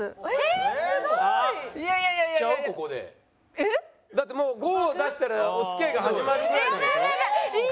えっ？だってもうゴーを出したらお付き合いが始まるぐらいなんでしょ？